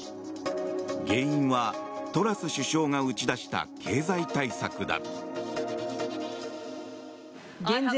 原因はトラス首相が打ち出した経済対策だ。